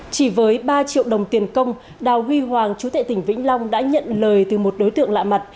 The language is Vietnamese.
chỉ với ba triệu đồng tiền công đào huy hoàng chú tệ tỉnh vĩnh long đã nhận lời từ một đối tượng lạ mặt